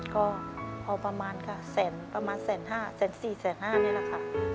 ก็เอาประมาณแสนประมาณแสนห้าแสนสี่แสนห้านี่แหละค่ะ